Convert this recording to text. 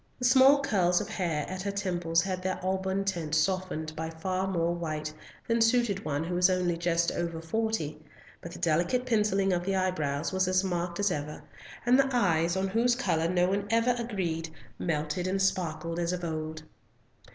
The small curls of hair at her temples had their auburn tint softened by far more white than suited one who was only just over forty, but the delicate pencilling of the eyebrows was as marked as ever; and the eyes, on whose colour no one ever agreed, melted and sparkled as of old.